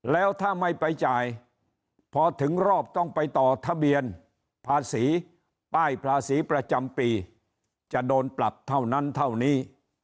แล้วถ้าไม่ไปจ่ายพอถึงรอบต้องไปต่อทะเบียนภาษีป้ายภาษีประจำปีจะโดนปรับเท่านั้นเท่านี้